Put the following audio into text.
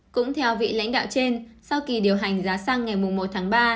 cũng theo vị lãnh đạo trên sau kỳ điều hành giá xăng ngày một tháng ba